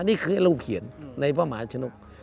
นี่คือเราเขียนในพระมหาชนก